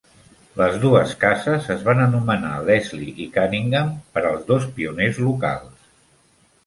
Les dues cases es van anomenar Leslie i Cunningham, per als dos pioners locals.